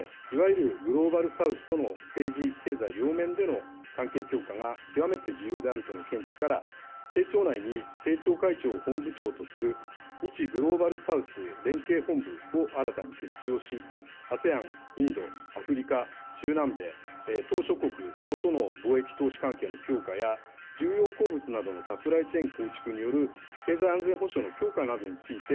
また今後の日本外交を考えるうえで、いわゆるグローバル・サウスとの政治、経済両面での関係強化が極めて重要であるとの見地から、政調内に政調会長を本部長とする、日グローバル・サウス連携本部を新たに設置をし、ＡＳＥＡＮ、インド、アフリカ、中南米、島しょ国等との貿易投資関係の強化や、重要鉱物などのサプライチェーン構築による経済安全保障の強化などについて、